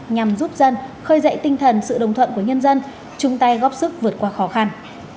nhằm giúp dân khơi dậy tinh thần sự đồng thuận của nhân dân chung tay góp sức vượt qua khó khăn